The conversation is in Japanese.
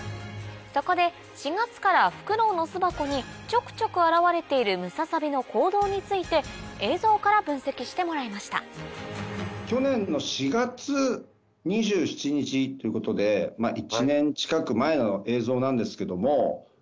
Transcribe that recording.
そこで４月からフクロウの巣箱にちょくちょく現れているムササビの行動について映像から分析してもらいましたということで１年近く前の映像なんですけども。